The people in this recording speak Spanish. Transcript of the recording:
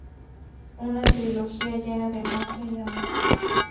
Una trilogía llena de magia y amor.